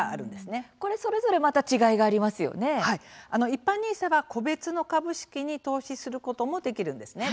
一般ＮＩＳＡは、個別の株式に投資することもできるんですね。